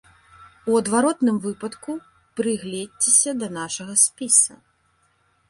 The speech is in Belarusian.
У адваротным выпадку прыгледзьцеся да нашага спіса.